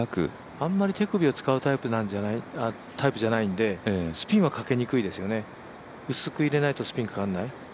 あんまり手首を使うタイプじゃないんでスピンはかけにくいですよね薄く入れないとスピンかからない。